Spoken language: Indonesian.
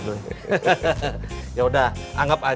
ini bener bener belakangnya iris